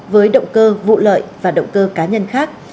với động cơ vụ lợi và động cơ cá nhân khác